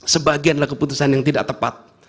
sebagianlah keputusan yang tidak tepat